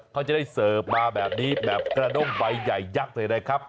เขาจะได้เสิร์ฟมาแบบนี้แบบกระด้งใบใหญ่ยักษ์เลยนะครับ